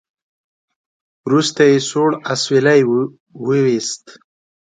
وروسته يې سوړ اسويلی وېست.